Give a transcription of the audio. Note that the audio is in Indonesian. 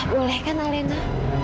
boleh kan alina